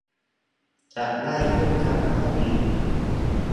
จะได้คู่กันพอดี